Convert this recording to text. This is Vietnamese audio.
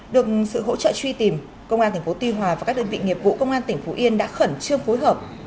được sự hỗ trợ truy tìm công an tp tuy hòa và các đơn vị nghiệp vụ công an tỉnh phú yên đã khẩn trương phối hợp